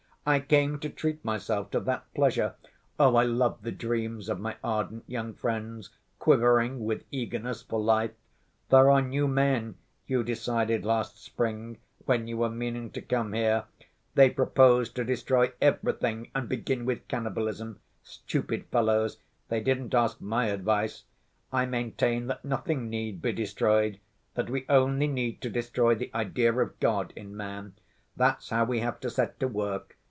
I came to treat myself to that pleasure. Oh, I love the dreams of my ardent young friends, quivering with eagerness for life! 'There are new men,' you decided last spring, when you were meaning to come here, 'they propose to destroy everything and begin with cannibalism. Stupid fellows! they didn't ask my advice! I maintain that nothing need be destroyed, that we only need to destroy the idea of God in man, that's how we have to set to work.